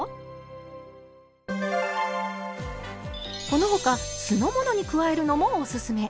この他酢の物に加えるのもおすすめ。